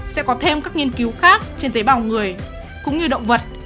sẽ có thêm các nghiên cứu khác trên tế bào người cũng như động vật